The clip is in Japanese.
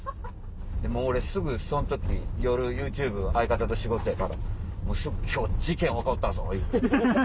もう俺すぐそん時夜ＹｏｕＴｕｂｅ相方と仕事やからもうすぐ「今日事件起こったぞ」。